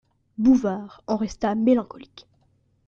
Bouvard en resta mélancolique.